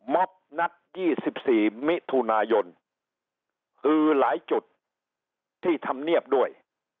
มอบนักยี่สิบสี่มิทุนายนหือหลายจุดที่ทำเนียบด้วย